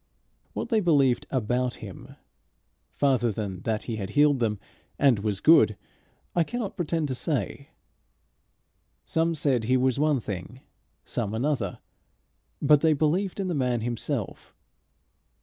What they believed about him, farther than that he had healed them and was good, I cannot pretend to say. Some said he was one thing, some another, but they believed in the man himself.